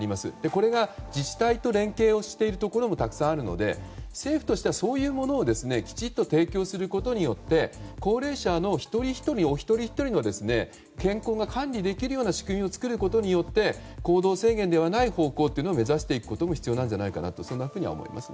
これが自治体と連携しているところもたくさんあるので、政府としてはそういうものをきちんと提供することによって高齢者のお一人お一人の健康が管理できる仕組みを作ることによって行動制限ではない方向を目指していくことも必要なのではないかと思います。